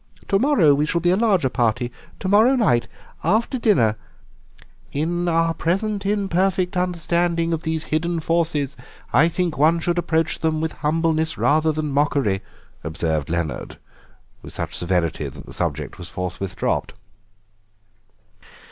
To morrow we shall be a larger party. To morrow night, after dinner—" "In our present imperfect understanding of these hidden forces I think one should approach them with humbleness rather than mockery," observed Leonard, with such severity that the subject was forthwith dropped.